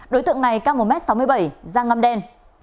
đối tượng này cao một m sáu mươi bảy ra ngâm đen